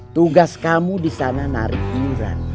tugas kamu di sana narik iuran